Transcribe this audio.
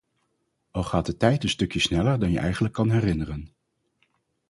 Al gaat de tijd een stuk sneller dan je eigenlijk kan herinneren.